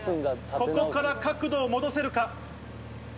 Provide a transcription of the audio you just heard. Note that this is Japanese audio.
ここから角度を戻せるか。